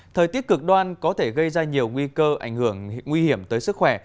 thời tiết cực đoan có thể gây ra nhiều nguy cơ ảnh hưởng nguy hiểm tới sức khỏe